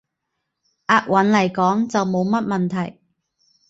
押韻來講，就冇乜問題